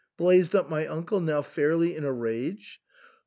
blazed up my uncle, now fairly in a rage.